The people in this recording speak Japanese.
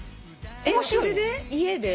それで家で？